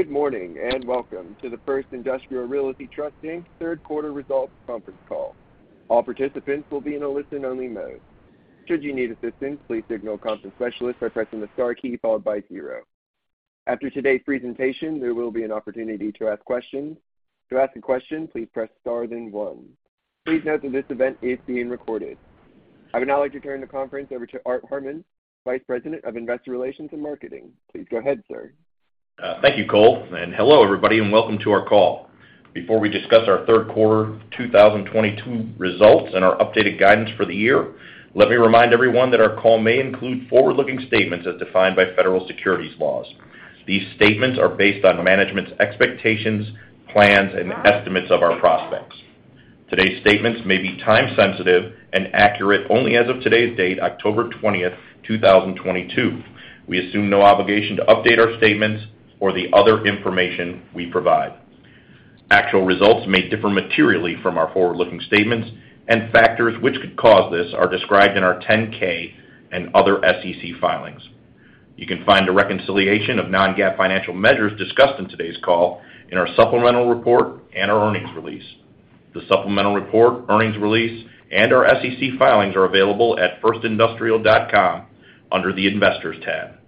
Good morning, and welcome to the First Industrial Realty Trust, Inc. third quarter results conference call. All participants will be in a listen-only mode. Should you need assistance, please signal a conference specialist by pressing the star key followed by zero. After today's presentation, there will be an opportunity to ask questions. To ask a question, please press star, then one. Please note that this event is being recorded. I would now like to turn the conference over to Art Harmon, Senior Vice President, Investor Relations and Marketing. Please go ahead, sir. Thank you, Cole, and hello everybody, and welcome to our call. Before we discuss our third quarter 2022 results and our updated guidance for the year, let me remind everyone that our call may include forward-looking statements as defined by federal securities laws. These statements are based on management's expectations, plans, and estimates of our prospects. Today's statements may be time sensitive and accurate only as of today's date, October 20th, 2022. We assume no obligation to update our statements or the other information we provide. Actual results may differ materially from our forward-looking statements, and factors which could cause this are described in our 10-K and other SEC filings. You can find a reconciliation of non-GAAP financial measures discussed in today's call in our supplemental report and our earnings release. The supplemental report, earnings release, and our SEC filings are available at firstindustrial.com under the Investors tab.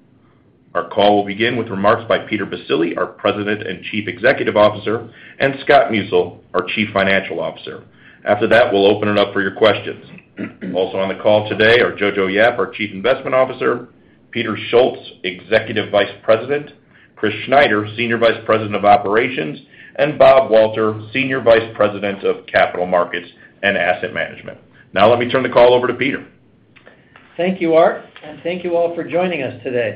Our call will begin with remarks by Peter Baccile, our President and Chief Executive Officer, and Scott Musil, our Chief Financial Officer. After that, we'll open it up for your questions. Also on the call today are Jojo Yap, our Chief Investment Officer, Peter Schultz, Executive Vice President, Chris Schneider, Senior Vice President of Operations, and Bob Walter, Senior Vice President of Capital Markets and Asset Management. Now let me turn the call over to Peter. Thank you, Art, and thank you all for joining us today.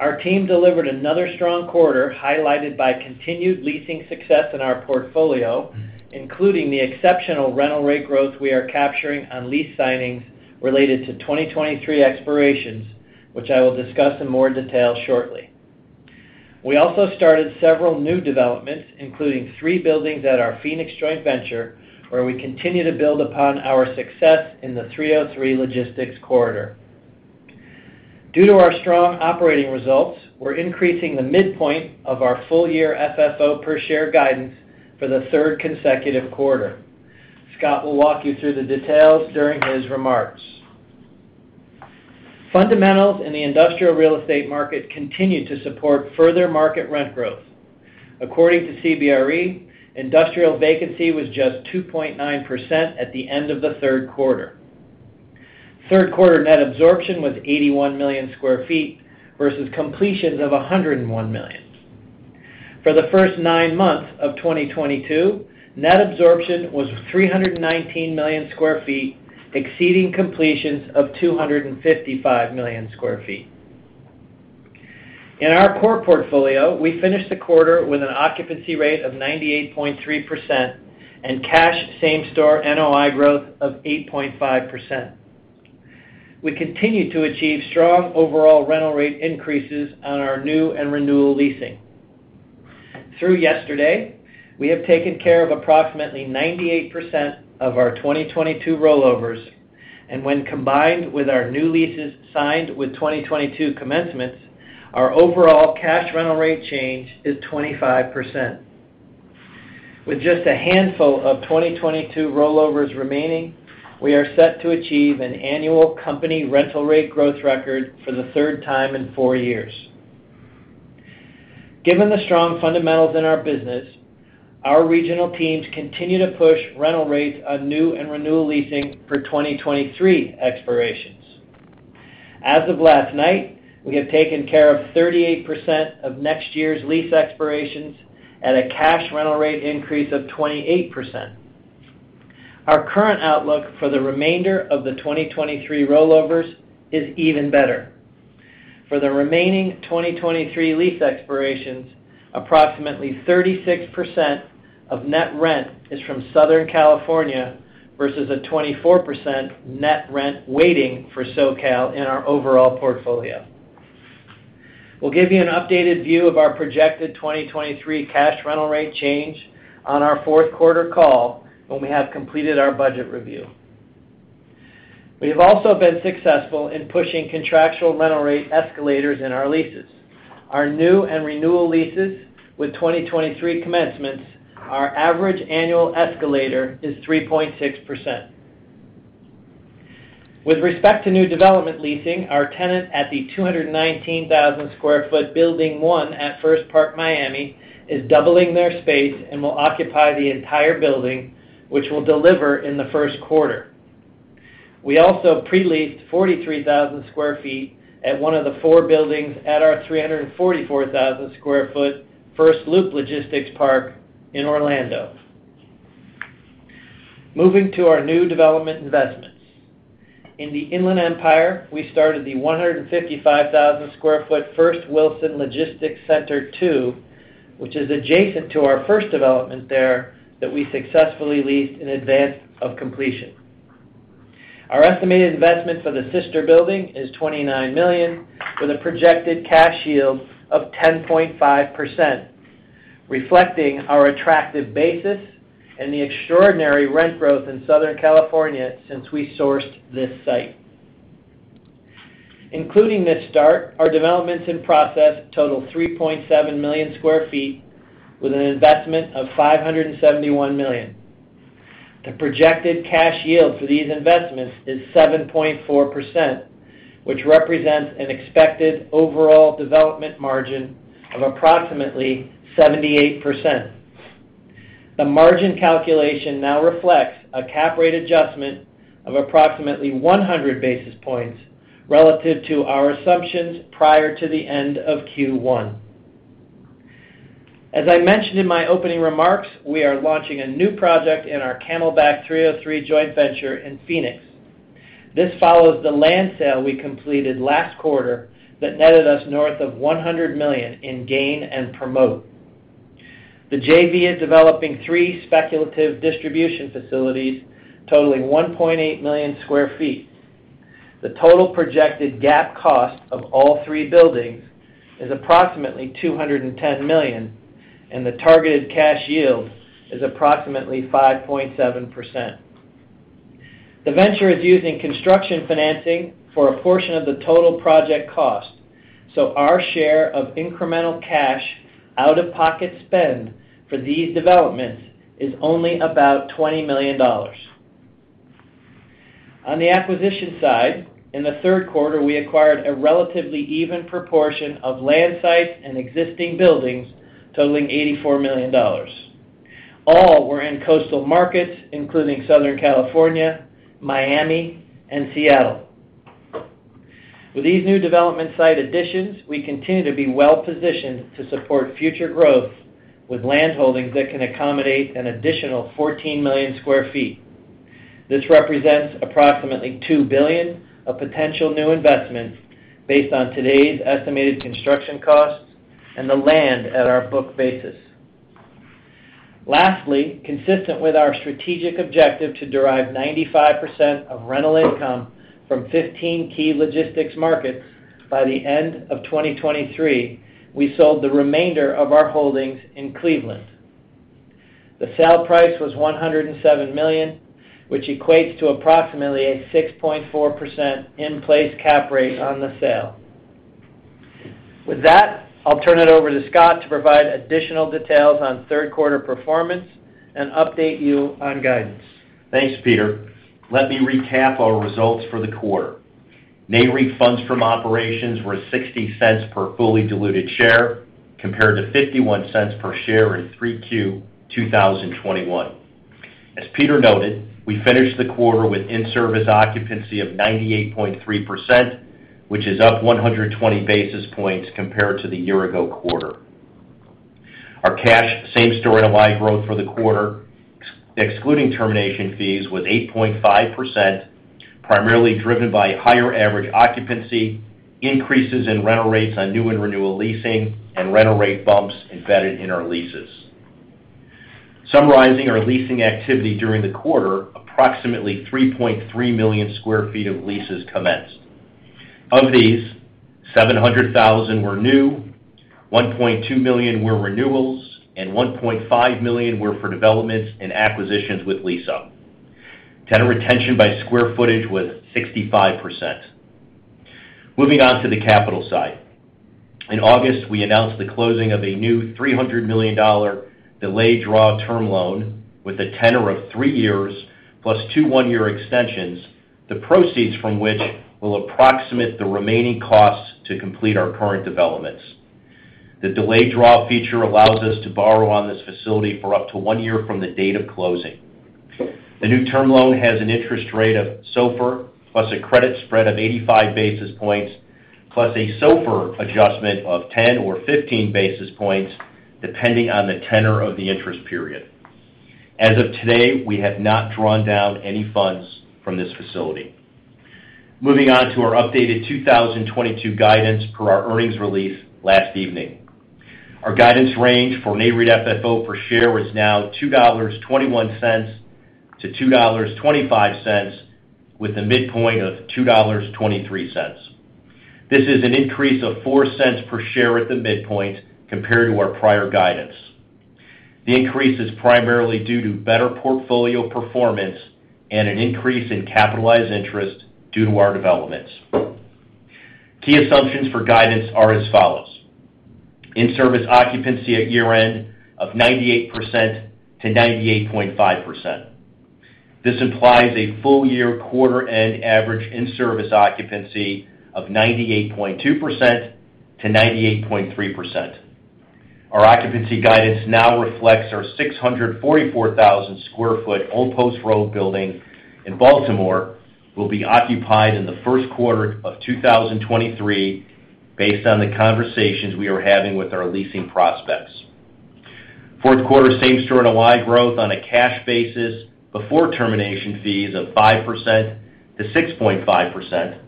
Our team delivered another strong quarter, highlighted by continued leasing success in our portfolio, including the exceptional rental rate growth we are capturing on lease signings related to 2023 expirations, which I will discuss in more detail shortly. We also started several new developments, including three buildings at our Phoenix joint venture, where we continue to build upon our success in the 303 logistics corridor. Due to our strong operating results, we're increasing the midpoint of our full year FFO per share guidance for the third consecutive quarter. Scott will walk you through the details during his remarks. Fundamentals in the industrial real estate market continue to support further market rent growth. According to CBRE, industrial vacancy was just 2.9% at the end of the third quarter. Third quarter net absorption was 81 million sq ft versus completions of 101 million sq ft. For the first nine months of 2022, net absorption was 319 million sq ft, exceeding completions of 255 million sq ft. In our core portfolio, we finished the quarter with an occupancy rate of 98.3% and cash Same-Store NOI growth of 8.5%. We continue to achieve strong overall rental rate increases on our new and renewal leasing. Through yesterday, we have taken care of approximately 98% of our 2022 rollovers, and when combined with our new leases signed with 2022 commencements, our overall cash rental rate change is 25%. With just a handful of 2022 rollovers remaining, we are set to achieve an annual company rental rate growth record for the third time in four years. Given the strong fundamentals in our business, our regional teams continue to push rental rates on new and renewal leasing for 2023 expirations. As of last night, we have taken care of 38% of next year's lease expirations at a cash rental rate increase of 28%. Our current outlook for the remainder of the 2023 rollovers is even better. For the remaining 2023 lease expirations, approximately 36% of net rent is from Southern California, versus a 24% net rent weighting for SoCal in our overall portfolio. We'll give you an updated view of our projected 2023 cash rental rate change on our fourth quarter call when we have completed our budget review. We have also been successful in pushing contractual rental rate escalators in our leases. Our new and renewal leases with 2023 commencements, our average annual escalator is 3.6%. With respect to new development leasing, our tenant at the 219,000 sq ft building one at First Park Miami is doubling their space and will occupy the entire building, which will deliver in the first quarter. We also pre-leased 43,000 sq ft at one of the four buildings at our 344,000 sq ft First Loop Logistics Park in Orlando. Moving to our new development investments. In the Inland Empire, we started the 155,000 sq ft First Wilson Logistics Center two, which is adjacent to our first development there that we successfully leased in advance of completion. Our estimated investment for the sister building is $29 million, with a projected cash yield of 10.5%, reflecting our attractive basis and the extraordinary rent growth in Southern California since we sourced this site. Including this start, our developments in process total 3.7 million sq ft, with an investment of $571 million. The projected cash yield for these investments is 7.4%, which represents an expected overall development margin of approximately 78%. The margin calculation now reflects a cap rate adjustment of approximately 100 basis points relative to our assumptions prior to the end of Q1. As I mentioned in my opening remarks, we are launching a new project in our Camelback 303 joint venture in Phoenix. This follows the land sale we completed last quarter that netted us north of $100 million in gain and promote. The JV is developing three speculative distribution facilities totaling 1.8 million sq ft. The total projected GAAP cost of all three buildings is approximately $210 million, and the targeted cash yield is approximately 5.7%. The venture is using construction financing for a portion of the total project cost, so our share of incremental cash out-of-pocket spend for these developments is only about $20 million. On the acquisition side, in the third quarter, we acquired a relatively even proportion of land sites and existing buildings totaling $84 million. All were in coastal markets, including Southern California, Miami, and Seattle. With these new development site additions, we continue to be well-positioned to support future growth with land holdings that can accommodate an additional 14 million sq ft. This represents approximately $2 billion of potential new investments based on today's estimated construction costs and the land at our book basis. Lastly, consistent with our strategic objective to derive 95% of rental income from 15 key logistics markets by the end of 2023, we sold the remainder of our holdings in Cleveland. The sale price was $107 million, which equates to approximately a 6.4% in-place cap rate on the sale. With that, I'll turn it over to Scott to provide additional details on third quarter performance and update you on guidance. Thanks, Peter. Let me recap our results for the quarter. NAREIT funds from operations were $0.60 per fully diluted share compared to $0.51 per share in 3Q 2021. As Peter noted, we finished the quarter with in-service occupancy of 98.3%, which is up 120 basis points compared to the year-ago quarter. Our cash Same-Store NOI growth for the quarter, excluding termination fees, was 8.5%, primarily driven by higher average occupancy, increases in rental rates on new and renewal leasing, and rental rate bumps embedded in our leases. Summarizing our leasing activity during the quarter, approximately 3.3 million sq ft of leases commenced. Of these, 700,000 sq ft were new, 1.2 million sq ft were renewals, and 1.5 million sq ft were for developments and acquisitions with lease-up. Tenant retention by square footage was 65%. Moving on to the capital side. In August, we announced the closing of a new $300 million delayed draw term loan with a tenor of three years plus two one-year extensions, the proceeds from which will approximate the remaining costs to complete our current developments. The delayed draw feature allows us to borrow on this facility for up to one year from the date of closing. The new term loan has an interest rate of SOFR plus a credit spread of 85 basis points, plus a SOFR adjustment of 10 or 15 basis points, depending on the tenor of the interest period. As of today, we have not drawn down any funds from this facility. Moving on to our updated 2022 guidance per our earnings release last evening. Our guidance range for NAREIT FFO per share is now $2.21-$2.25, with a midpoint of $2.23. This is an increase of $0.04 per share at the midpoint compared to our prior guidance. The increase is primarily due to better portfolio performance and an increase in capitalized interest due to our developments. Key assumptions for guidance are as follows. In-service occupancy at year-end of 98%-98.5%. This implies a full year quarter end average in-service occupancy of 98.2%-98.3%. Our occupancy guidance now reflects our 644,000 sq ft Old Post Road building in Baltimore will be occupied in the first quarter of 2023 based on the conversations we are having with our leasing prospects. Fourth quarter same-store NOI growth on a cash basis before termination fees of 5%-6.5%.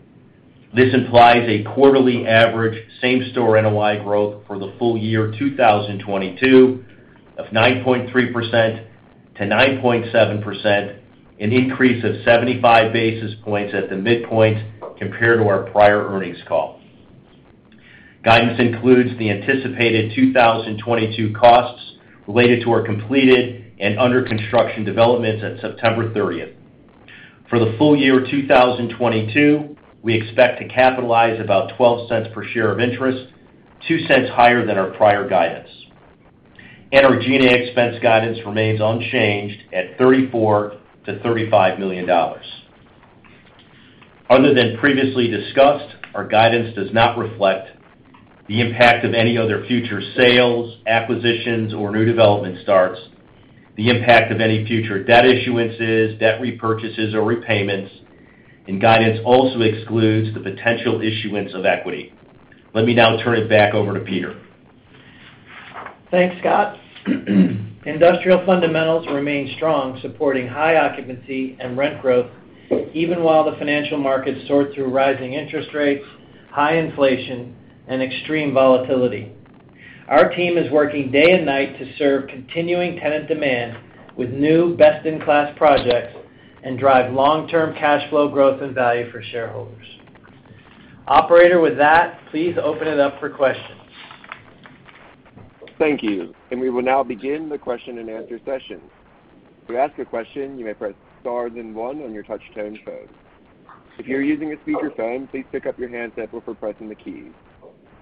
This implies a quarterly average same-store NOI growth for the full year 2022 of 9.3%-9.7%, an increase of 75 basis points at the midpoint compared to our prior earnings call. Guidance includes the anticipated 2022 costs related to our completed and under construction developments at September 30th. For the full year 2022, we expect to capitalize about $0.12 per share of interest, $0.02 higher than our prior guidance. Our G&A expense guidance remains unchanged at $34 million-$35 million. Other than previously discussed, our guidance does not reflect the impact of any other future sales, acquisitions, or new development starts, the impact of any future debt issuances, debt repurchases or repayments, and guidance also excludes the potential issuance of equity. Let me now turn it back over to Peter. Thanks, Scott. Industrial fundamentals remain strong, supporting high occupancy and rent growth, even while the financial markets sort through rising interest rates, high inflation, and extreme volatility. Our team is working day and night to serve continuing tenant demand with new best-in-class projects and drive long-term cash flow growth and value for shareholders. Operator, with that, please open it up for questions. Thank you. We will now begin the question and answer session. To ask a question, you may press star then one on your touch tone phone. If you're using a speakerphone, please pick up your handset before pressing the key.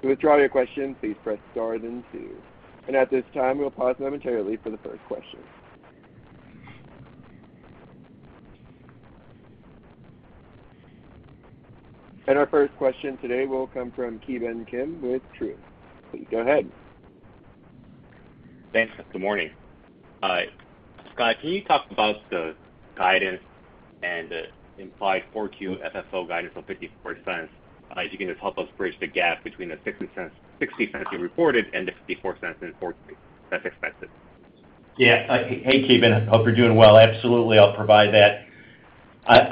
To withdraw your question, please press star then two. At this time, we'll pause momentarily for the first question. Our first question today will come from Ki Bin Kim with Truist. Please go ahead. Thanks. Good morning. Scott, can you talk about the guidance and the implied 4Q FFO guidance of $0.54? If you can just help us bridge the gap between the $0.60 you reported and the $0.54 in 4Q that's expected. Yeah. Hey, Ki Bin hope you're doing well. Absolutely, I'll provide that.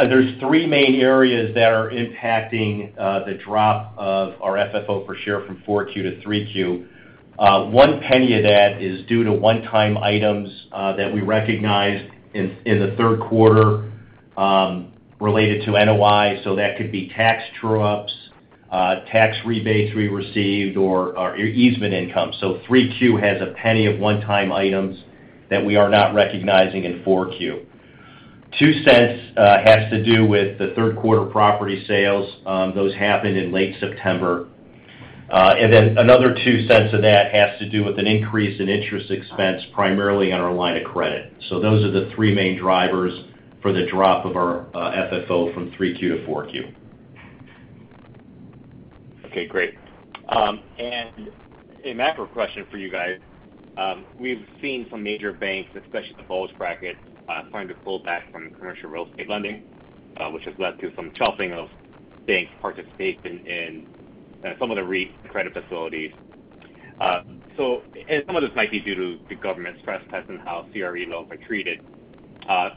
There's three main areas that are impacting the drop of our FFO per share from 4Q to 3Q. $0.01 of that is due to one-time items that we recognized in the third quarter related to NOI, so that could be tax true-ups, tax rebates we received or easement income. 3Q has $0.01 of one-time items that we are not recognizing in 4Q. $0.02 has to do with the third quarter property sales. Those happened in late September. Another $0.02 of that has to do with an increase in interest expense, primarily on our line of credit. Those are the three main drivers for the drop of our FFO from 3Q to 4Q. Okay, great. A macro question for you guys. We've seen some major banks, especially the bulge bracket, starting to pull back from commercial real estate lending, which has led to some chopping of banks' participation in some of the REIT credit facilities. Some of this might be due to the government stress test and how CRE loans are treated. I'm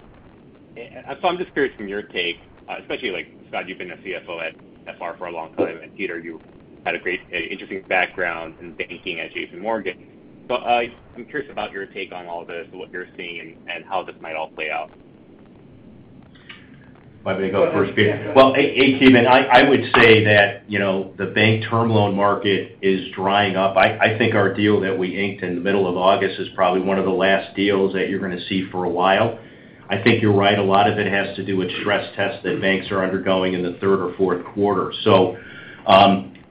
just curious from your take, especially, like, Scott, you've been a CFO at FR for a long time, and Peter, you had a great, interesting background in banking at JPMorgan. I'm curious about your take on all of this, what you're seeing and how this might all play out. Want me to go first, Peter? Well, hey, Ki Bin, I would say that, you know, the bank term loan market is drying up. I think our deal that we inked in the middle of August is probably one of the last deals that you're gonna see for a while. I think you're right. A lot of it has to do with stress tests that banks are undergoing in the third or fourth quarter.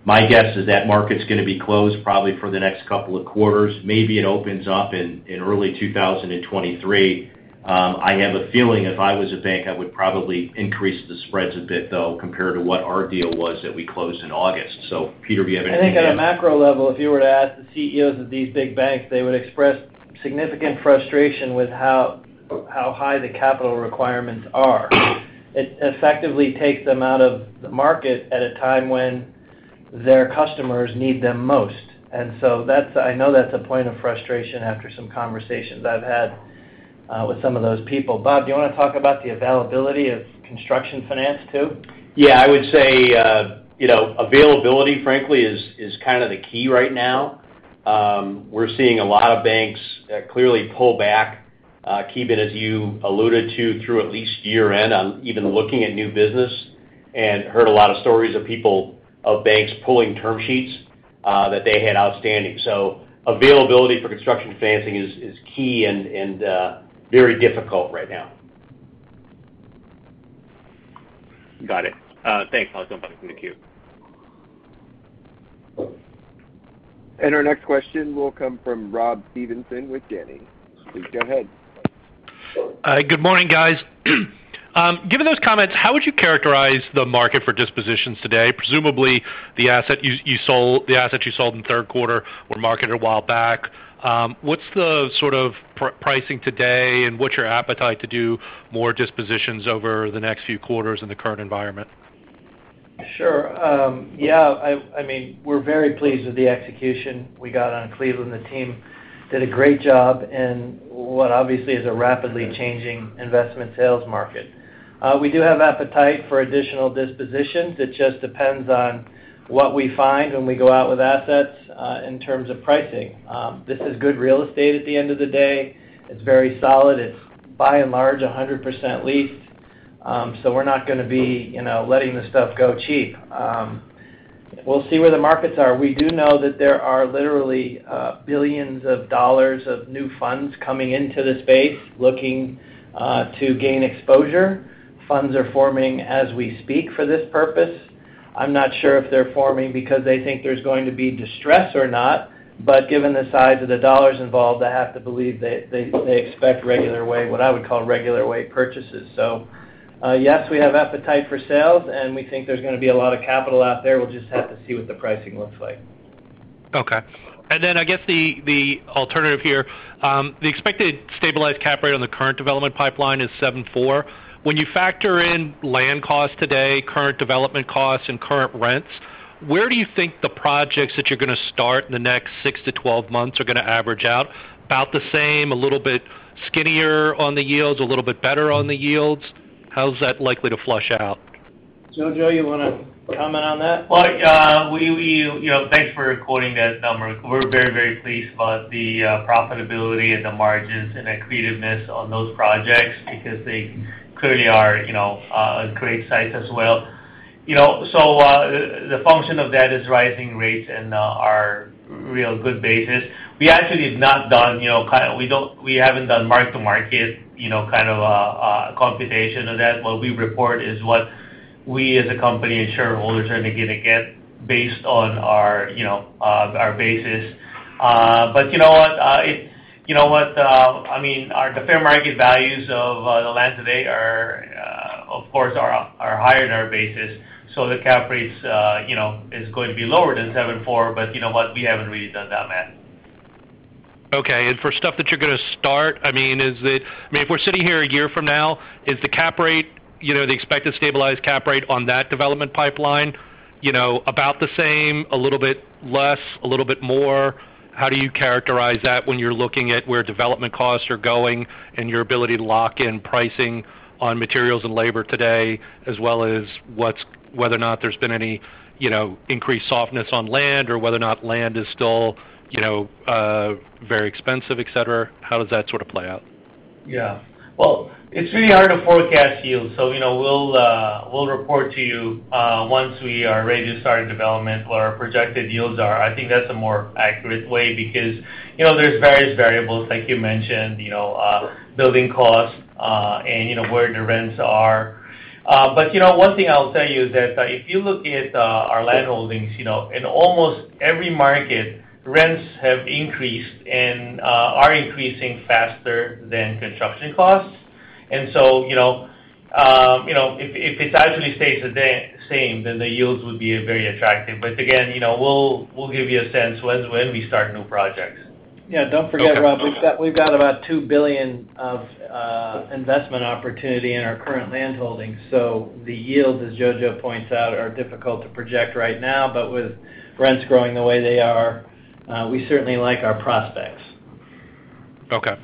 My guess is that market's gonna be closed probably for the next couple of quarters. Maybe it opens up in early 2023. I have a feeling if I was a bank, I would probably increase the spreads a bit, though, compared to what our deal was that we closed in August. Peter, do you have anything to add? I think at a macro level, if you were to ask the CEOs of these big banks, they would express significant frustration with how high the capital requirements are. It effectively takes them out of the market at a time when their customers need them most. That's a point of frustration after some conversations I've had with some of those people. Bob, do you wanna talk about the availability of construction finance too? Yeah, I would say, you know, availability, frankly, is kind of the key right now. We're seeing a lot of banks clearly pull back, Ki Bin Kim, as you alluded to, through at least year-end on even looking at new business and heard a lot of stories of people of banks pulling term sheets that they had outstanding. Availability for construction financing is key and very difficult right now. Got it. Thanks. I'll jump back in the queue. Our next question will come from Rob Stevenson with Janney. Please go ahead. Good morning, guys. Given those comments, how would you characterize the market for dispositions today? Presumably, the assets you sold in the third quarter were marketed a while back. What's the sort of pricing today, and what's your appetite to do more dispositions over the next few quarters in the current environment? Sure. Yeah, I mean, we're very pleased with the execution we got on Cleveland. The team did a great job in what obviously is a rapidly changing investment sales market. We do have appetite for additional dispositions. It just depends on what we find when we go out with assets, in terms of pricing. This is good real estate at the end of the day. It's very solid. It's by and large, 100% leased. We're not gonna be, you know, letting the stuff go cheap. We'll see where the markets are. We do know that there are literally, $ billions of new funds coming into this space looking, to gain exposure. Funds are forming as we speak for this purpose. I'm not sure if they're forming because they think there's going to be distress or not, but given the size of the dollars involved, I have to believe they expect regular way, what I would call regular way purchases. Yes, we have appetite for sales, and we think there's gonna be a lot of capital out there. We'll just have to see what the pricing looks like. I guess the alternative here, the expected stabilized cap rate on the current development pipeline is 7.4%. When you factor in land costs today, current development costs and current rents, where do you think the projects that you're gonna start in the next six-12 months are gonna average out? About the same, a little bit skinnier on the yields, a little bit better on the yields? How's that likely to flesh out? Jojo, you wanna comment on that? Well, yeah. You know, thanks for quoting that number. We're very, very pleased about the profitability and the margins and the creativeness on those projects because they clearly are, you know, great sites as well. You know, the function of that is rising rates and our real good basis. We actually have not done mark-to-market, you know, kind of computation of that. What we report is what we as a company and shareholders are gonna get based on our, you know, our basis. You know what? I mean, the fair market values of the land today are, of course, higher than our basis, so the cap rates, you know, is going to be lower than 7.4%. You know what? We haven't really done that math. Okay. For stuff that you're gonna start, I mean, if we're sitting here a year from now, is the cap rate, you know, the expected stabilized cap rate on that development pipeline, you know, about the same, a little bit less, a little bit more? How do you characterize that when you're looking at where development costs are going and your ability to lock in pricing on materials and labor today, as well as what's whether or not there's been any, you know, increased softness on land or whether or not land is still, you know, very expensive, et cetera? How does that sort of play out? Yeah. Well, it's really hard to forecast yields. You know, we'll report to you once we are ready to start development what our projected yields are. I think that's a more accurate way because you know, there's various variables, like you mentioned, you know, building costs, and you know, where the rents are. You know, one thing I'll tell you is that if you look at our land holdings, you know, in almost every market, rents have increased and are increasing faster than construction costs. You know, if it actually stays the same, then the yields would be very attractive. You know, we'll give you a sense when we start new projects. Yeah. Don't forget, Rob, we've got about $2 billion of investment opportunity in our current land holdings. The yields, as Jojo points out, are difficult to project right now. With rents growing the way they are, we certainly like our prospects. Okay.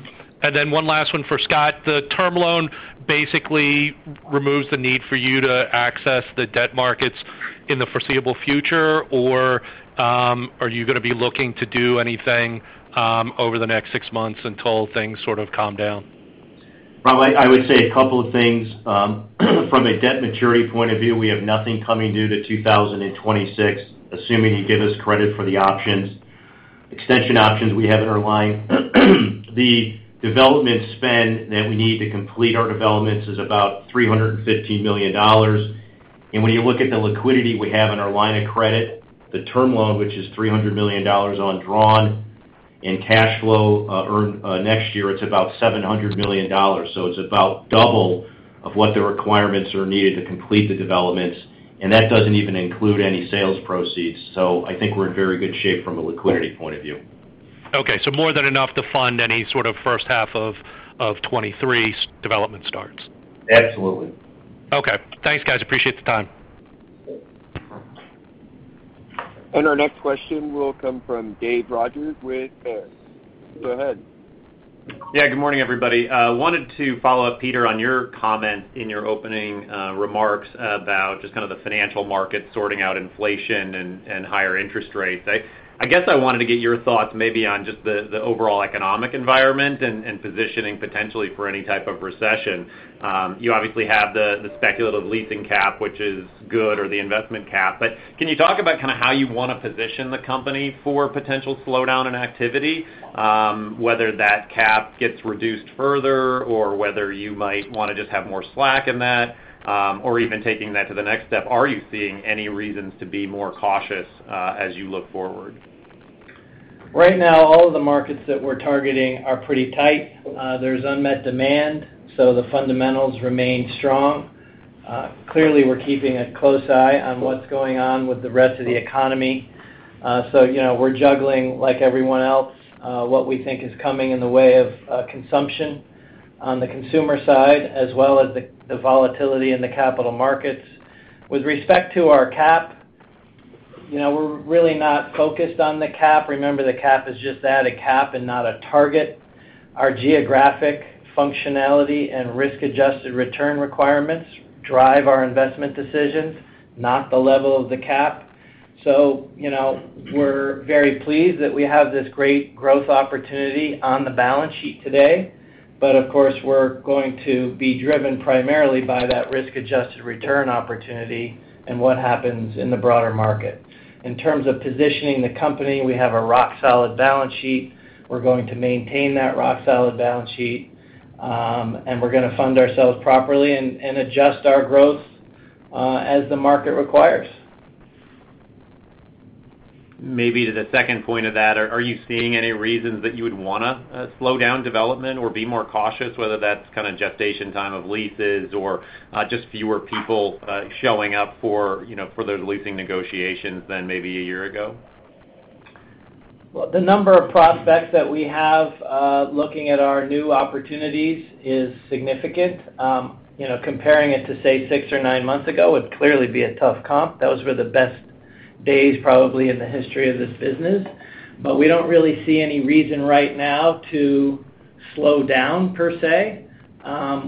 One last one for Scott. The term loan basically removes the need for you to access the debt markets in the foreseeable future, or, are you gonna be looking to do anything, over the next six months until things sort of calm down? Rob, I would say a couple of things. From a debt maturity point of view, we have nothing coming due to 2026, assuming you give us credit for the options, extension options we have in our line. The development spend that we need to complete our developments is about $350 million. When you look at the liquidity we have in our line of credit, the term loan, which is $300 million undrawn and cash flow and earnings next year, it's about $700 million. It's about double of what the requirements are needed to complete the developments, and that doesn't even include any sales proceeds. I think we're in very good shape from a liquidity point of view. More than enough to fund any sort of first half of 2023 development starts. Absolutely. Okay. Thanks, guys. Appreciate the time. Our next question will come from David Manthey with Baird. Go ahead. Yeah, good morning, everybody. Wanted to follow up, Peter, on your comment in your opening remarks about just kind of the financial market sorting out inflation and higher interest rates. I guess I wanted to get your thoughts maybe on just the overall economic environment and positioning potentially for any type of recession. You obviously have the speculative leasing cap, which is good, or the investment cap, but can you talk about kind of how you wanna position the company for potential slowdown in activity, whether that cap gets reduced further or whether you might wanna just have more slack in that, or even taking that to the next step, are you seeing any reasons to be more cautious as you look forward? Right now, all of the markets that we're targeting are pretty tight. There's unmet demand, so the fundamentals remain strong. Clearly, we're keeping a close eye on what's going on with the rest of the economy. You know, we're juggling like everyone else, what we think is coming in the way of consumption on the consumer side as well as the volatility in the capital markets. With respect to our cap, you know, we're really not focused on the cap. Remember, the cap is just that, a cap and not a target. Our geographic functionality and risk-adjusted return requirements drive our investment decisions, not the level of the cap. You know, we're very pleased that we have this great growth opportunity on the balance sheet today. Of course, we're going to be driven primarily by that risk-adjusted return opportunity and what happens in the broader market. In terms of positioning the company, we have a rock-solid balance sheet. We're going to maintain that rock-solid balance sheet, and we're gonna fund ourselves properly and adjust our growth as the market requires. Maybe to the second point of that, are you seeing any reasons that you would wanna slow down development or be more cautious, whether that's kinda gestation time of leases or just fewer people showing up for, you know, for those leasing negotiations than maybe a year ago? Well, the number of prospects that we have looking at our new opportunities is significant. You know, comparing it to, say, six or nine months ago would clearly be a tough comp. Those were the best days probably in the history of this business. We don't really see any reason right now to slow down per se.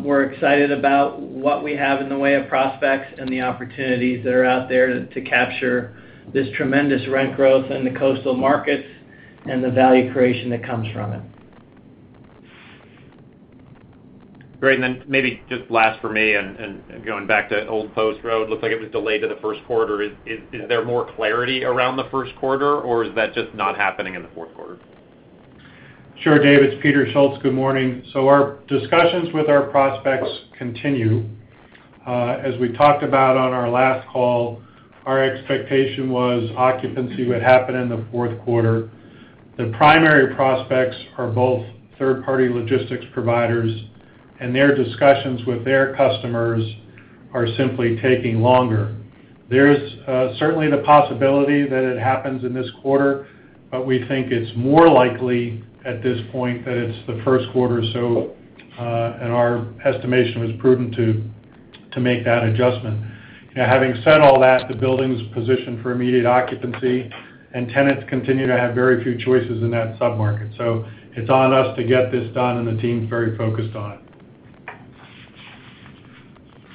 We're excited about what we have in the way of prospects and the opportunities that are out there to capture this tremendous rent growth in the coastal markets and the value creation that comes from it. Great. Maybe just last for me and going back to Old Post Road, looks like it was delayed to the first quarter. Is there more clarity around the first quarter, or is that just not happening in the fourth quarter? Sure, David. It's Peter Schultz. Good morning. Our discussions with our prospects continue. As we talked about on our last call, our expectation was occupancy would happen in the fourth quarter. The primary prospects are both third-party logistics providers, and their discussions with their customers are simply taking longer. There's certainly the possibility that it happens in this quarter, but we think it's more likely at this point that it's the first quarter. Our estimation was prudent to make that adjustment. Now, having said all that, the building's positioned for immediate occupancy, and tenants continue to have very few choices in that sub-market. It's on us to get this done, and the team's very focused on it.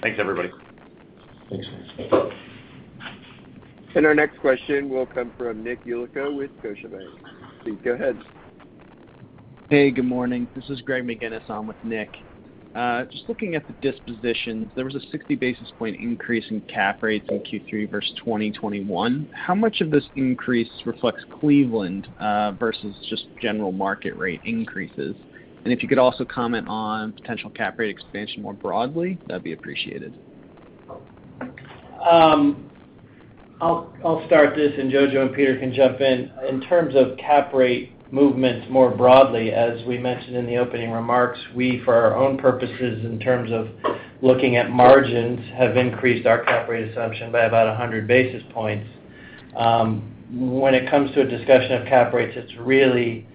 Thanks, everybody. Thanks. Our next question will come from Nicholas Yulico with Scotiabank. Please go ahead. Hey, good morning. This is Greg McGinnis. I'm with Nick. Just looking at the dispositions, there was a 60 basis points increase in cap rates in Q3 versus 2021. How much of this increase reflects Cleveland versus just general market rate increases? If you could also comment on potential cap rate expansion more broadly, that'd be appreciated. I'll start this, and Jojo and Peter can jump in. In terms of cap rate movements more broadly, as we mentioned in the opening remarks, we, for our own purposes in terms of looking at margins, have increased our cap rate assumption by about 100 basis points. When it comes to a discussion of cap rates, it's really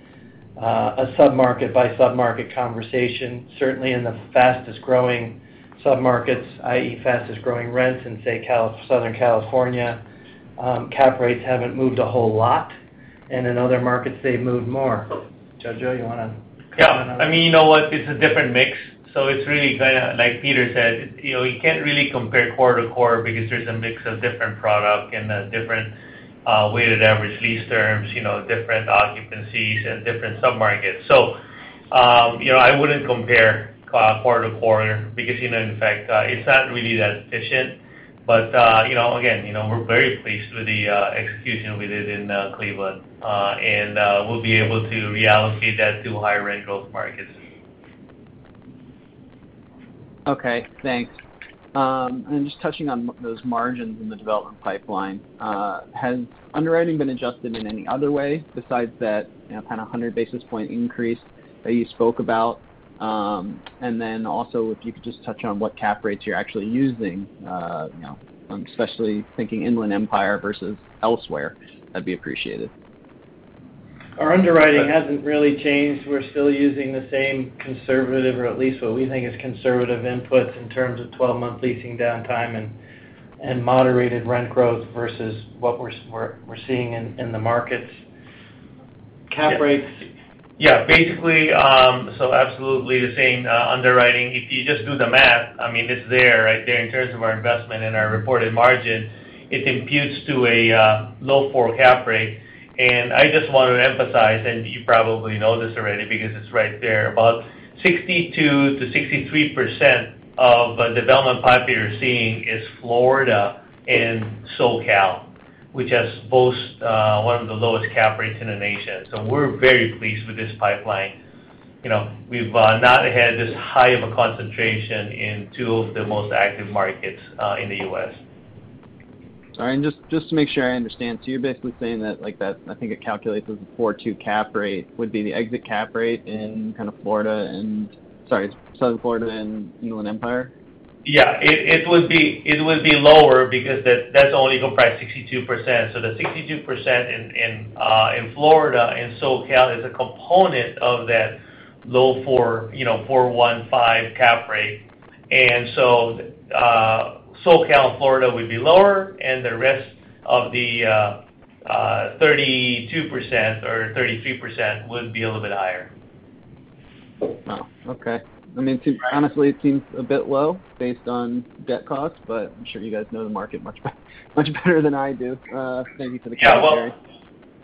a sub-market by sub-market conversation. Certainly in the fastest-growing sub-markets, i.e., fastest-growing rents in, say, Southern California, cap rates haven't moved a whole lot, and in other markets, they've moved more. Jojo, you wanna comment on that? Yeah. I mean, you know what? It's a different mix, so it's really kinda like Peter said, you know, you can't really compare quarter to quarter because there's a mix of different product and different weighted average lease terms, you know, different occupancies and different sub-markets. You know, I wouldn't compare quarter to quarter because, you know, in fact, it's not really that efficient. You know, again, you know, we're very pleased with the execution we did in Cleveland. And we'll be able to reallocate that to higher rent growth markets. Okay. Thanks. Just touching on those margins in the development pipeline, has underwriting been adjusted in any other way besides that, you know, kind of a 100 basis point increase that you spoke about? Also, if you could just touch on what cap rates you're actually using, you know, I'm especially thinking Inland Empire versus elsewhere, that'd be appreciated. Our underwriting hasn't really changed. We're still using the same conservative, or at least what we think is conservative inputs in terms of 12-month leasing downtime and moderated rent growth versus what we're seeing in the markets. Cap rates. Yeah, basically, absolutely the same underwriting. If you just do the math, I mean, it's there, right there in terms of our investment and our reported margin. It imputes to a low 4 cap rate. I just wanna emphasize, and you probably know this already because it's right there, about 62%-63% of the development pipeline you're seeing is Florida and SoCal, which has both, one of the lowest cap rates in the nation. We're very pleased with this pipeline. You know, we've not had this high of a concentration in two of the most active markets, in the U.S. All right. Just to make sure I understand, you're basically saying that, like, I think it calculates as a 4.2 cap rate, would be the exit cap rate in kind of Florida. Sorry, South Florida and Inland Empire? Yeah. It would be lower because that's only comprised 62%. The 62% in Florida and SoCal is a component of that low 4.15 cap rate, you know. SoCal and Florida would be lower, and the rest of the 32% or 33% would be a little bit higher. Oh, okay. I mean, it seems, honestly, it seems a bit low based on debt costs, but I'm sure you guys know the market much better than I do. Thank you for the clarity. Yeah. Well,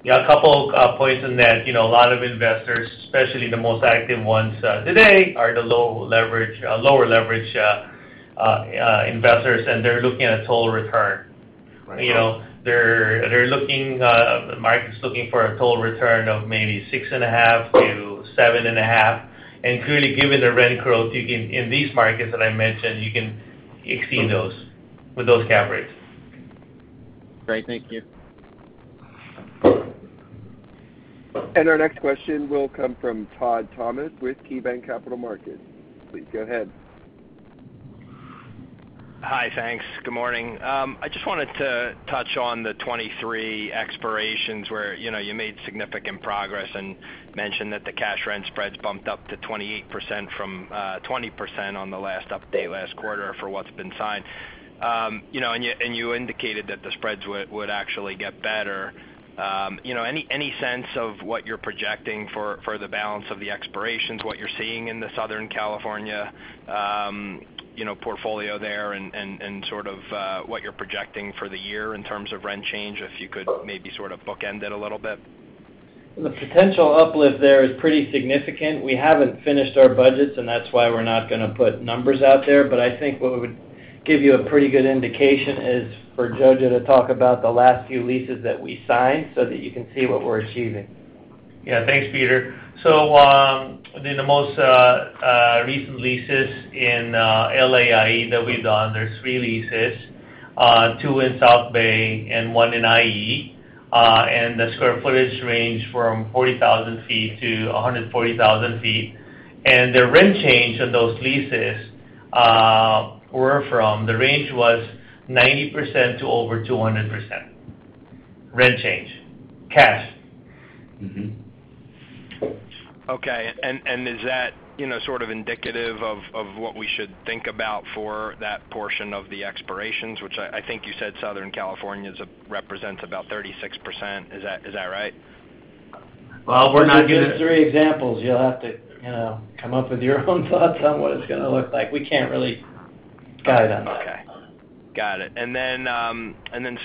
yeah, a couple points on that. You know, a lot of investors, especially the most active ones, today, are the lower leverage investors, and they're looking at total return. Right. You know, they're looking, the market's looking for a total return of maybe 6.5%-7.5%. Clearly, given the rent growth you can in these markets that I mentioned, you can exceed those with those cap rates. Great. Thank you. Our next question will come from Todd Thomas with KeyBanc Capital Markets. Please go ahead. Hi, thanks. Good morning. I just wanted to touch on the 2023 expirations where, you know, you made significant progress and mentioned that the cash rent spreads bumped up to 28% from 20% on the last update last quarter for what's been signed. You know, and you indicated that the spreads would actually get better. You know, any sense of what you're projecting for the balance of the expirations, what you're seeing in the Southern California portfolio there and sort of what you're projecting for the year in terms of rent change, if you could maybe sort of bookend it a little bit? The potential uplift there is pretty significant. We haven't finished our budgets, and that's why we're not gonna put numbers out there. I think what would give you a pretty good indication is for Jojo to talk about the last few leases that we signed so that you can see what we're achieving. Yeah. Thanks, Peter. The most recent leases in L.A. IE that we've done, there's three leases, two in South Bay and one in IE. The square footage range from 40,000 sq ft to 140,000 sq ft. The rent change on those leases, the range was 90% to over 200%. Rent change. Cash. Mm-hmm. Okay. Is that, you know, sort of indicative of what we should think about for that portion of the expirations, which I think you said Southern California represents about 36%. Is that right? Well, we're not gonna. Those are just three examples. You'll have to, you know, come up with your own thoughts on what it's gonna look like. We can't really guide on that. Okay. Got it.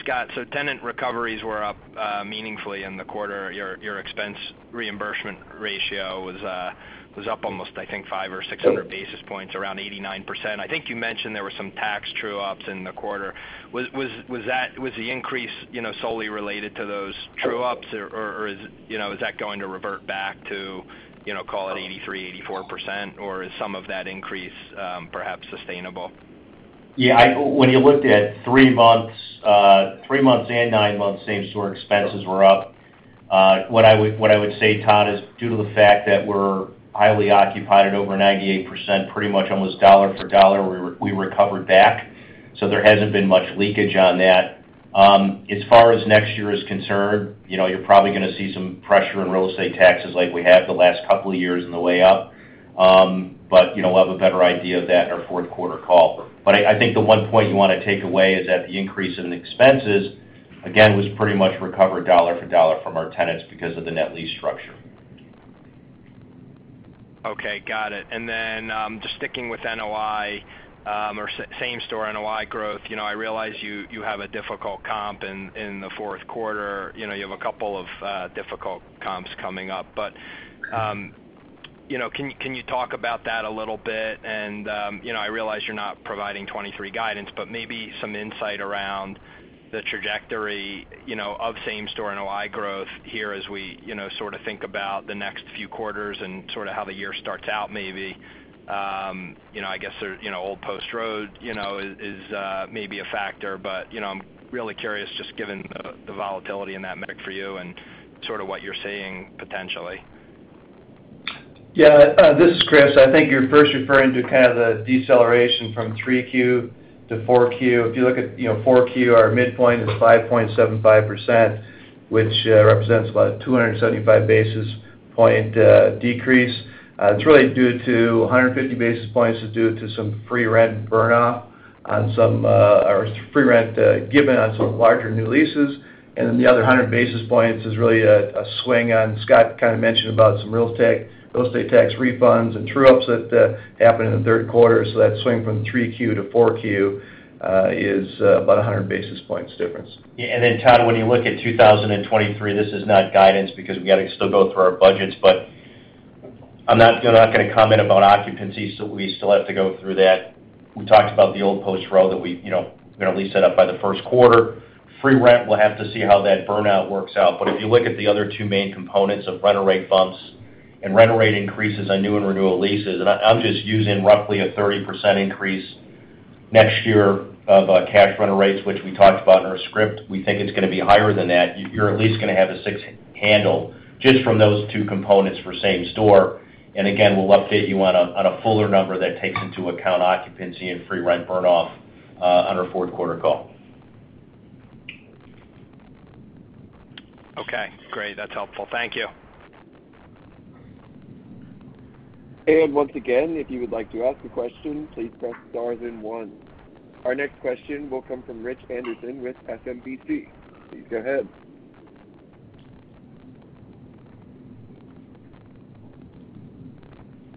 Scott, tenant recoveries were up meaningfully in the quarter. Your expense reimbursement ratio was up almost, I think, 500 or 600 basis points, around 89%. I think you mentioned there were some tax true-ups in the quarter. Was the increase, you know, solely related to those true-ups or is, you know, is that going to revert back to, you know, call it 83%-84%, or is some of that increase perhaps sustainable? Yeah, when you looked at three months and nine months, same-store expenses were up. What I would say, Todd, is due to the fact that we're highly occupied at over 98%, pretty much almost dollar for dollar we recovered back, so there hasn't been much leakage on that. As far as next year is concerned, you know, you're probably gonna see some pressure in real estate taxes like we have the last couple of years in the way up. You know, we'll have a better idea of that in our fourth quarter call. I think the one point you wanna take away is that the increase in expenses, again, was pretty much recovered dollar for dollar from our tenants because of the net lease structure. Okay, got it. Then, just sticking with NOI, or same store NOI growth, you know, I realize you have a difficult comp in the fourth quarter. You know, you have a couple of difficult comps coming up. You know, can you talk about that a little bit? You know, I realize you're not providing 2023 guidance, but maybe some insight around the trajectory, you know, of same store NOI growth here as we, you know, sort of think about the next few quarters and sort of how the year starts out, maybe. You know, I guess Old Post Road is maybe a factor. You know, I'm really curious, just given the volatility in that metric for you and sort of what you're seeing potentially. This is Chris. I think you're first referring to kind of the deceleration from 3Q to 4Q. If you look at, you know, 4Q, our midpoint is 5.75%, which represents about 275 basis points decrease. It's really due to 150 basis points due to some free rent burn off on some our free rent given on some larger new leases. Then the other 100 basis points is really a swing on. Scott kind of mentioned about some real estate tax refunds and true-ups that happened in the third quarter. That swing from 3Q to 4Q is about 100 basis points difference. Yeah. Then, Todd, when you look at 2023, this is not guidance because we gotta still go through our budgets, but I'm not gonna comment about occupancy, so we still have to go through that. We talked about the Old Post Road that we, you know, gonna lease that up by the first quarter. Free rent, we'll have to see how that burnout works out. If you look at the other two main components of rental rate bumps and rental rate increases on new and renewal leases, and I'm just using roughly a 30% increase next year of cash rental rates, which we talked about in our script. We think it's gonna be higher than that. You're at least gonna have a six handle just from those two components for same store. We'll update you on a fuller number that takes into account occupancy and free rent burn off on our fourth quarter call. Okay, great. That's helpful. Thank you. Once again, if you would like to ask a question, please press star then one. Our next question will come from Rich Anderson with SMBC. Please go ahead.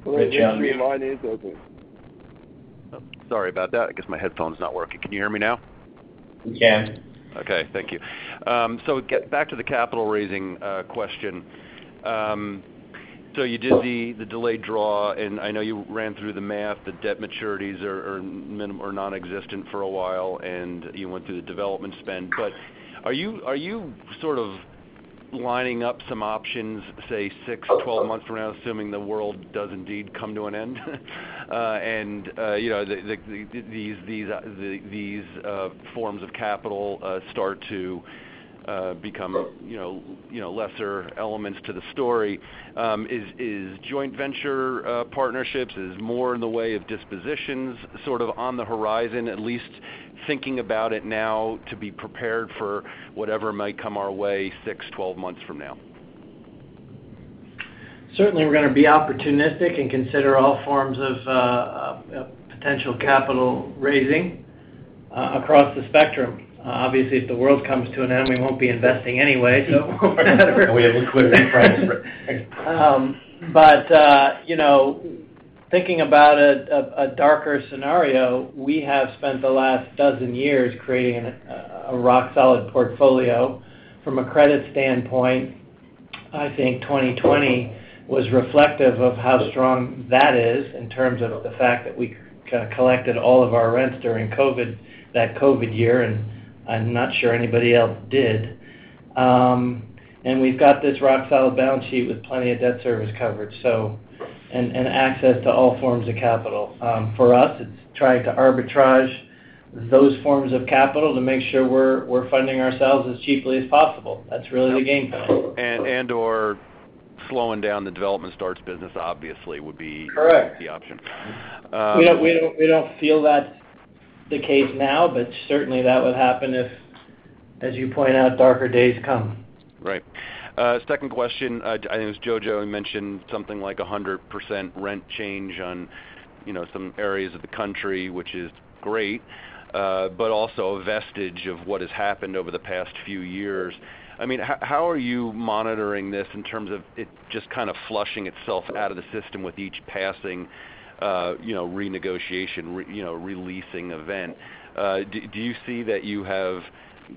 Line is open. Sorry about that. I guess my headphone's not working. Can you hear me now? We can. Okay. Thank you. Get back to the capital raising question. You did the delayed draw, and I know you ran through the math, the debt maturities are or non-existent for a while, and you went through the development spend. Are you sort of lining up some options, say six, 12 months from now, assuming the world does indeed come to an end? You know, these forms of capital start to become you know lesser elements to the story. Is joint venture partnerships more in the way of dispositions sort of on the horizon, at least thinking about it now to be prepared for whatever might come our way six, 12 months from now? Certainly, we're gonna be opportunistic and consider all forms of potential capital raising across the spectrum. Obviously, if the world comes to an end, we won't be investing anyway. We have liquidity problems. You know, thinking about a darker scenario, we have spent the last dozen years creating a rock solid portfolio. From a credit standpoint, I think 2020 was reflective of how strong that is in terms of the fact that we collected all of our rents during COVID, that COVID year, and I'm not sure anybody else did. We've got this rock solid balance sheet with plenty of debt service coverage, access to all forms of capital. For us, it's trying to arbitrage those forms of capital to make sure we're funding ourselves as cheaply as possible. That's really the game plan. and/or slowing down the development starts business obviously would be. Correct. the option. We don't feel that's the case now, but certainly that would happen if, as you point out, darker days come. Right. Second question. I think it was Johannson Yap who mentioned something like 100% rent change on, you know, some areas of the country, which is great, but also a vestige of what has happened over the past few years. I mean, how are you monitoring this in terms of it just kind of flushing itself out of the system with each passing, you know, renegotiation, re-leasing event? Do you see that you have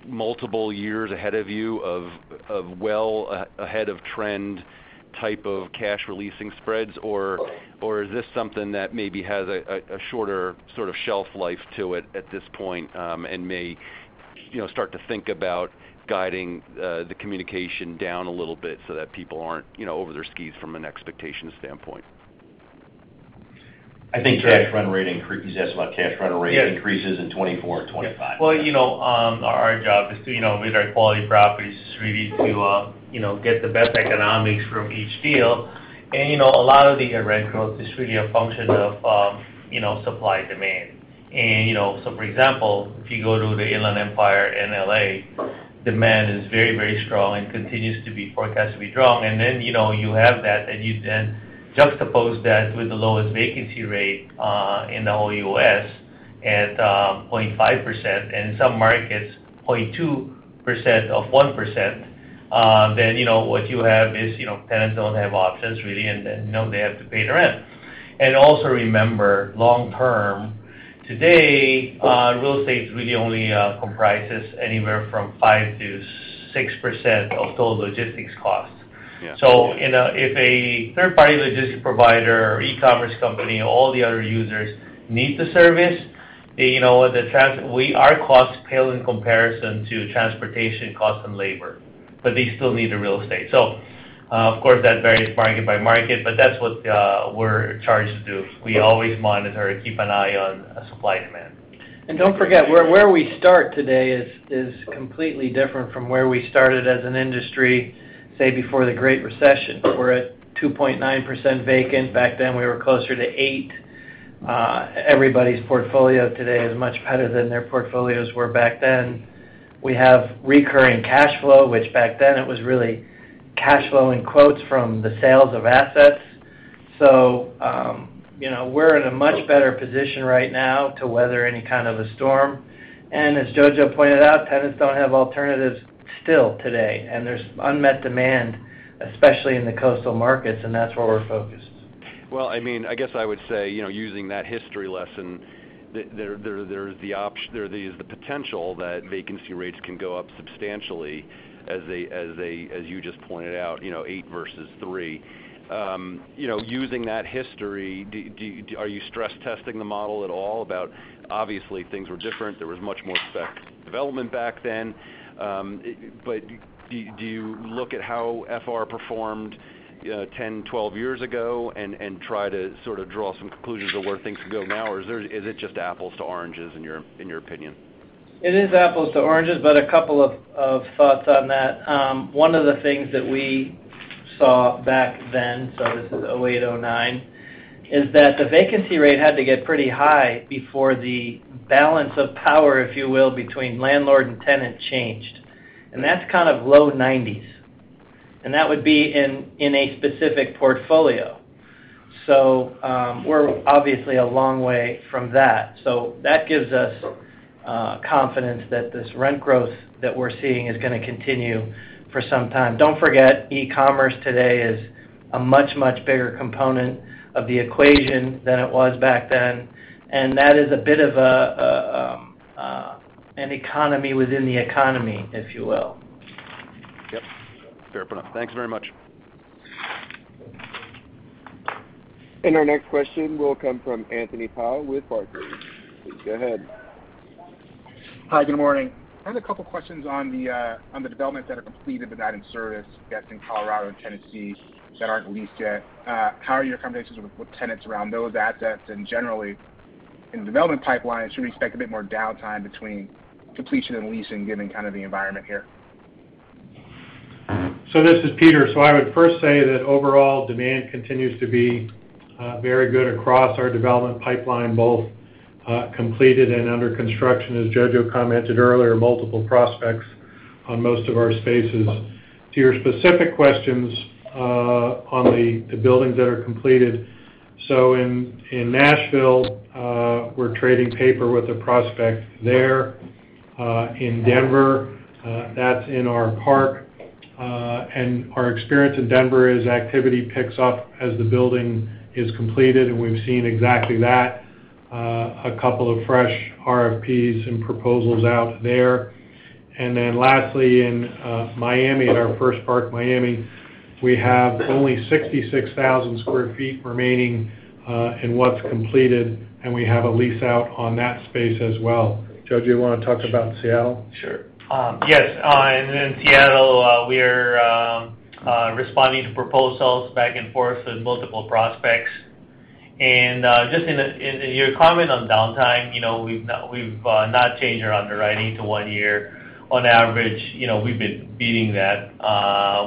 multiple years ahead of you of well ahead-of-trend type of cash leasing spreads or is this something that maybe has a shorter sort of shelf life to it at this point, and may, you know, start to think about guiding the communication down a little bit so that people aren't, you know, over their skis from an expectation standpoint? I think cash run rate increase, he's asking about cash run rate increases in 2024 and 2025. Well, you know, our job is to, you know, with our quality properties is really to, you know, get the best economics from each deal. You know, a lot of the rent growth is really a function of, you know, supply and demand. You know, so for example, if you go to the Inland Empire in L.A., demand is very, very strong and continues to be forecast to be strong. Then, you know, you have that, and you then juxtapose that with the lowest vacancy rate in the whole U.S. at 0.5%, in some markets 0.2% or 1%, then, you know, what you have is, you know, tenants don't have options really, and then, you know, they have to pay the rent. Also remember, long term, today, real estate really only comprises anywhere from 5%-6% of total logistics costs. Yeah. If a third-party logistics provider or e-commerce company, all the other users need the service, you know, our costs pale in comparison to transportation costs and labor, but they still need the real estate. Of course, that varies market by market, but that's what we're charged to do. We always monitor or keep an eye on supply and demand. Don't forget, where we start today is completely different from where we started as an industry, say, before the Great Recession. We're at 2.9% vacant. Back then, we were closer to 8%. Everybody's portfolio today is much better than their portfolios were back then. We have recurring cash flow, which back then it was really cash flow in quotes from the sales of assets. You know, we're in a much better position right now to weather any kind of a storm. As Jojo pointed out, tenants don't have alternatives still today. There's unmet demand, especially in the coastal markets, and that's where we're focused. I mean, I guess I would say, you know, using that history lesson, there's the potential that vacancy rates can go up substantially as you just pointed out, you know, 8 versus 3. You know, using that history, are you stress testing the model at all about obviously things were different? There was much more spec development back then. Do you look at how FR performed, you know, 10, 12 years ago and try to sort of draw some conclusions of where things could go now? Is it just apples to oranges in your opinion? It is apples to oranges, but a couple of thoughts on that. One of the things that we saw back then, so this is 2008, 2009, is that the vacancy rate had to get pretty high before the balance of power, if you will, between landlord and tenant changed. That's kind of low 90s. That would be in a specific portfolio. We're obviously a long way from that. That gives us confidence that this rent growth that we're seeing is gonna continue for some time. Don't forget, e-commerce today is a much, much bigger component of the equation than it was back then, and that is a bit of an economy within the economy, if you will. Yep. Fair enough. Thanks very much. Our next question will come from Anthony Powell with Barclays. Please go ahead. Hi. Good morning. I have a couple questions on the developments that are completed but not in service, that's in Colorado and Tennessee, that aren't leased yet. How are your conversations with tenants around those assets? Generally, in the development pipeline, should we expect a bit more downtime between completion and leasing, given kind of the environment here? This is Peter. I would first say that overall demand continues to be very good across our development pipeline, both completed and under construction. As Jojo commented earlier, multiple prospects on most of our spaces. To your specific questions on the buildings that are completed. In Nashville, we're trading paper with a prospect there. In Denver, that's in our park. Our experience in Denver is activity picks up as the building is completed, and we've seen exactly that, a couple of fresh RFPs and proposals out there. Then lastly, in Miami, at our first park, Miami, we have only 66,000 sq ft remaining in what's completed, and we have a lease out on that space as well. Jojo, you wanna talk about Seattle? Sure. Yes. In Seattle, we're responding to proposals back and forth with multiple prospects. In your comment on downtime, you know, we've not changed our underwriting to one year. On average, you know, we've been beating that.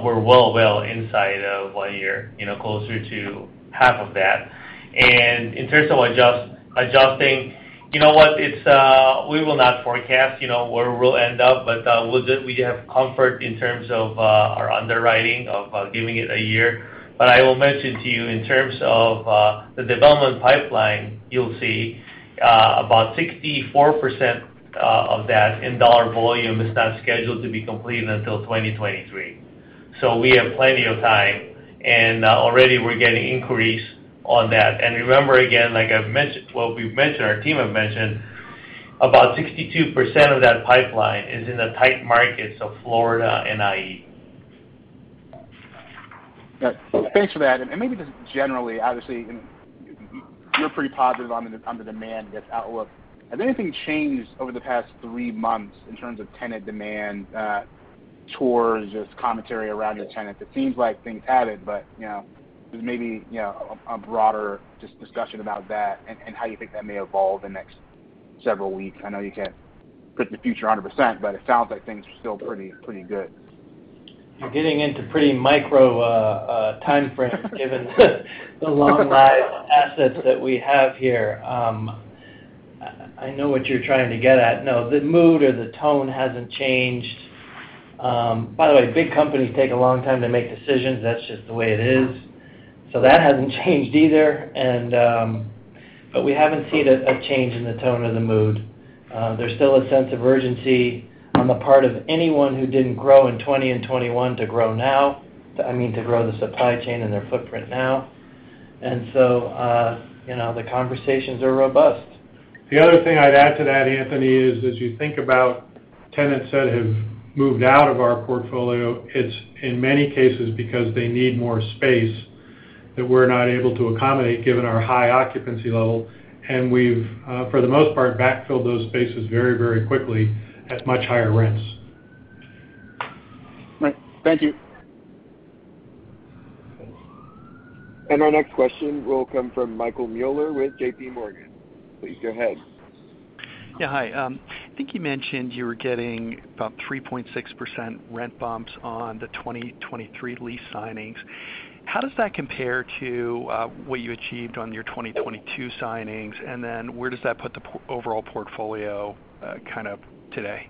We're well inside of one year, you know, closer to half of that. In terms of adjusting, you know what? We will not forecast, you know, where we'll end up, but we have comfort in terms of our underwriting of giving it a year. I will mention to you in terms of the development pipeline, you'll see about 64% of that in dollar volume is not scheduled to be completed until 2023. We have plenty of time, and already we're getting inquiries on that. Remember, again, like I've mentioned. Well, we've mentioned, our team have mentioned, about 62% of that pipeline is in the tight markets of Florida and I&E. Yeah. Thanks for that. Maybe just generally, obviously, you're pretty positive on the demand outlook. Has anything changed over the past three months in terms of tenant demand, tours, just commentary around your tenants? It seems like things haven't, but you know, just maybe you know, a broader just discussion about that and how you think that may evolve the next several weeks. I know you can't predict the future a hundred percent, but it sounds like things are still pretty good. You're getting into pretty micro timeframe given the long life assets that we have here. I know what you're trying to get at. No, the mood or the tone hasn't changed. By the way, big companies take a long time to make decisions. That's just the way it is. That hasn't changed either, and but we haven't seen a change in the tone or the mood. There's still a sense of urgency on the part of anyone who didn't grow in 2020 and 2021 to grow now. I mean, to grow the supply chain and their footprint now. You know, the conversations are robust. The other thing I'd add to that, Anthony, is as you think about tenants that have moved out of our portfolio, it's in many cases because they need more space that we're not able to accommodate, given our high occupancy level. We've for the most part backfilled those spaces very, very quickly at much higher rents. Right. Thank you. Our next question will come from Michael Mueller with JPMorgan. Please go ahead. Yeah. Hi. I think you mentioned you were getting about 3.6% rent bumps on the 2023 lease signings. How does that compare to what you achieved on your 2022 signings? Where does that put the overall portfolio kind of today?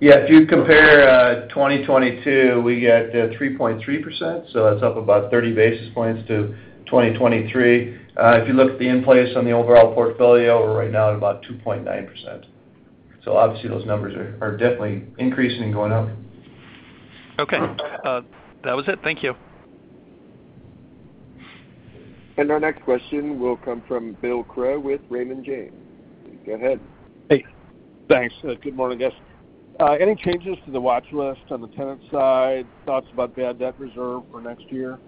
Yeah. If you compare 2022, we got 3.3%, so that's up about 30 basis points to 2023. If you look at the in-place on the overall portfolio, we're right now at about 2.9%. Obviously, those numbers are definitely increasing and going up. Okay. That was it. Thank you. Our next question will come from Bill Crow with Raymond James. Go ahead. Hey. Thanks. Good morning, guys. Any changes to the watch list on the tenant side? Thoughts about bad debt reserve for next year?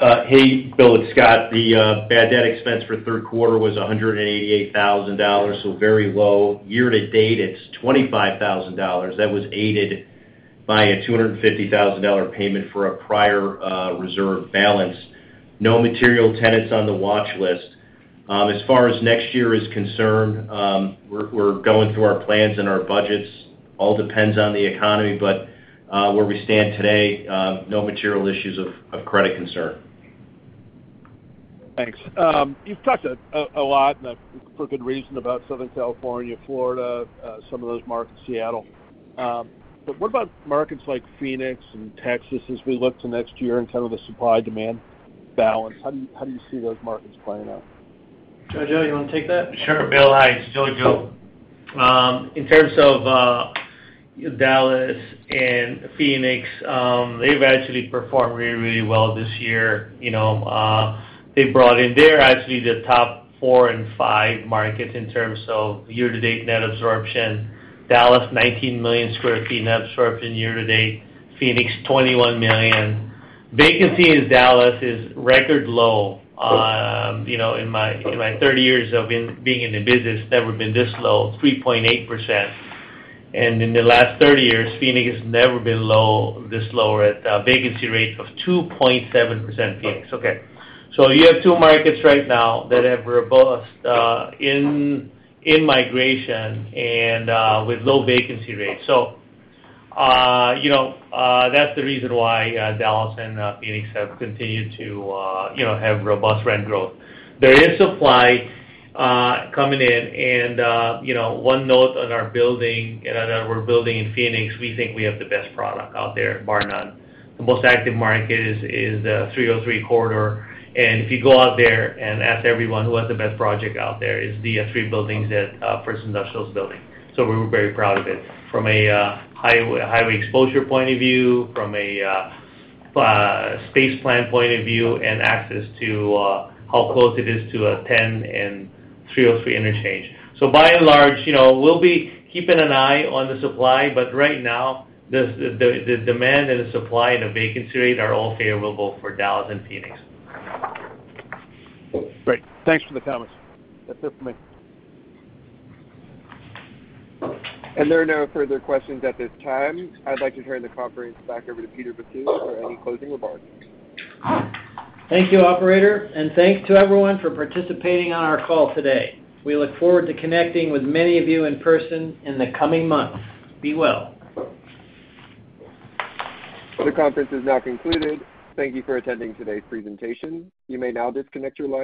Hey, Bill, it's Scott. The bad debt expense for the third quarter was $188,000, so very low. Year to date, it's $25,000. That was aided by a $250,000 payment for a prior reserve balance. No material tenants on the watch list. As far as next year is concerned, we're going through our plans and our budgets. All depends on the economy. But where we stand today, no material issues of credit concern. Thanks. You've talked a lot, and for good reason, about Southern California, Florida, some of those markets, Seattle. What about markets like Phoenix and Texas as we look to next year in terms of the supply-demand balance? How do you see those markets playing out? Jojo, you wanna take that? Sure, Bill. Hi, it's Jojo Yap. In terms of Dallas and Phoenix, they've actually performed really, really well this year, you know. They're actually the top four and five markets in terms of year-to-date net absorption. Dallas, 19 million sq ft net absorption year-to-date. Phoenix, 21 million sq ft. Vacancy in Dallas is record low. You know, in my 30 years of being in the business, never been this low, 3.8%. In the last 30 years, Phoenix has never been this low at a vacancy rate of 2.7% Phoenix, okay. You have two markets right now that have robust in-migration and with low vacancy rates. You know, that's the reason why Dallas and Phoenix have continued to, you know, have robust rent growth. There is supply coming in, and you know, one note on our building, you know, that we're building in Phoenix, we think we have the best product out there, bar none. The most active market is 303 corridor. If you go out there and ask everyone who has the best project out there, it's the three buildings that First Industrial's building. We're very proud of it from a highway exposure point of view, from a space plan point of view, and access to how close it is to 10 and 303 interchange. By and large, you know, we'll be keeping an eye on the supply, but right now, the demand and the supply and the vacancy rate are all favorable for Dallas and Phoenix. Great. Thanks for the comments. That's it for me. There are no further questions at this time. I'd like to turn the conference back over to Peter Baccile for any closing remarks. Thank you, operator, and thanks to everyone for participating on our call today. We look forward to connecting with many of you in person in the coming months. Be well. The conference is now concluded. Thank you for attending today's presentation. You may now disconnect your lines.